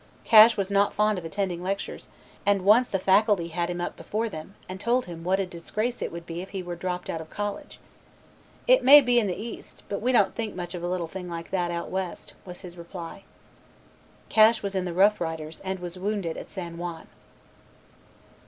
Cash was not fond of attending lectures, and once the faculty had him up before them and told him what a disgrace it would be if he were dropped out of College. "It may be in the East, but we don't think much of a little thing like that out West," was his reply. Cash was in the Rough Riders and was wounded at San Juan.